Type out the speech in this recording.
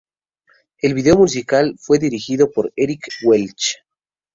El video musical fue dirigido por Eric Welch.